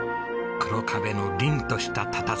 黒壁のりんとした佇まい。